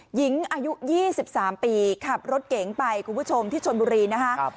หญิงอายุ๒๓ปีขับรถเก๋งไปคุณผู้ชมที่ชนบุรีนะครับ